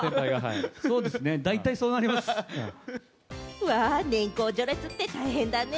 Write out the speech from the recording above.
うわ、年功序列って大変だね！